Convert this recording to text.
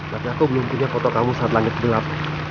tapi aku belum punya foto kamu saat langit gelap